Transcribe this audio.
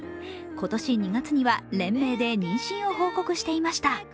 今年２月には連名で妊娠を報告していました。